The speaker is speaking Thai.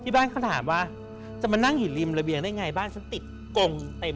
บ้านเขาถามว่าจะมานั่งอยู่ริมระเบียงได้ไงบ้านฉันติดกงเต็ม